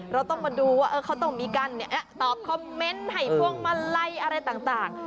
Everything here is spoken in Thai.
เราต้องมาดูว่าเขาต้องมีการตอบคอมเมนต์ให้พวงมาลัยอะไรต่าง